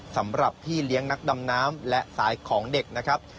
สำหรับพี่เลี้ยงนักดำน้ำและสายของเด็กนะครับ